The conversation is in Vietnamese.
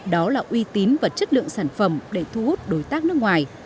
đó là uy tín và chất lượng sản phẩm để thu hút đối tác nước ngoài